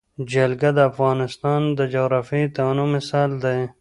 جلګه د افغانستان د جغرافیوي تنوع مثال دی.